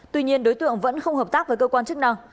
tuy nhiên đối tượng vẫn không hợp tác với cơ quan chức năng